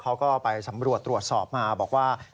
เขาก็ไปสำรวจตรวจสอบมาบอกว่า